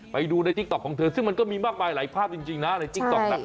ไปดูในติ๊กต๊อกของเธอซึ่งมันก็มีมากมายหลายภาพจริงนะในติ๊กต๊อกนะ